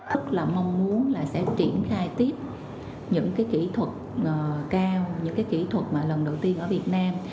rất là mong muốn sẽ triển khai tiếp những kỹ thuật cao những kỹ thuật lần đầu tiên ở việt nam